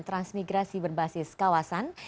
transmigrasi berbasis kawasan